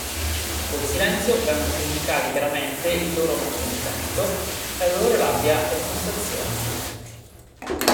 Col silenzio, vengono comunicati chiaramente il loro malcontento, la loro rabbia e frustrazione.